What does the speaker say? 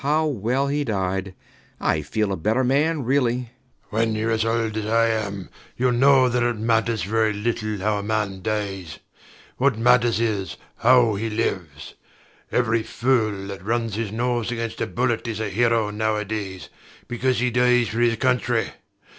How well he died! I feel a better man, really. SIR PATRICK. When youre as old as I am, youll know that it matters very little how a man dies. What matters is, how he lives. Every fool that runs his nose against a bullet is a hero nowadays, because he dies for his country.